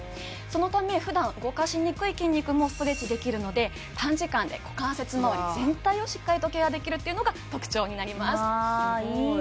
そのためふだん動かしにくい筋肉もストレッチできるので短時間で股関節まわり全体をしっかりとケアできるっていうのが特徴になりますうわ